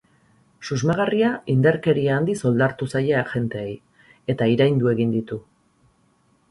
Susmagarria indarkeria handiz oldartu zaie agenteei, eta iraindu egin ditu.